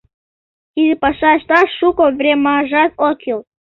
Тиде паша ышташ шуко времажат ок кӱл.